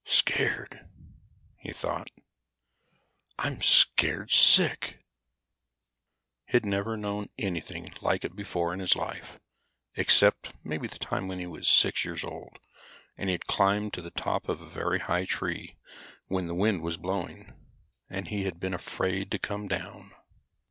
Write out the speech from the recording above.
Scared, he thought, I'm scared sick. He'd never known anything like it before in his life, except maybe the time when he was 6 years old and he had climbed to the top of a very high tree when the wind was blowing, and he had been afraid to come down.